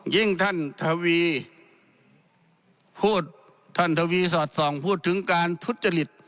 ยิ่งท่านทวีพูดท่านทวีสอดส่องพูดถึงการทุจริต